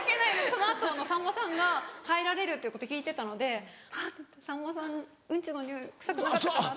その後さんまさんが入られるっていうことを聞いてたのでさんまさんウンチのにおい臭くなかったかなって。